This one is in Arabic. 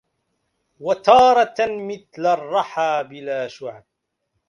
وتارةً مثل الرَّحى بلا شُعَبْ